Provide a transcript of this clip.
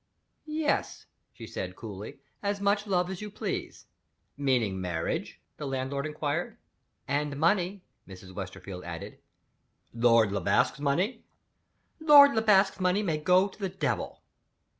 "Yes," she said, coolly. "As much love as you please." "Meaning marriage?" the landlord inquired. "And money," Mrs. Westerfield added. "Lord Le Basque's money." "Lord Le Basque's money may go to the Devil!"